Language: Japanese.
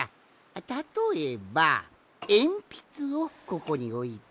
たとえばえんぴつをここにおいて。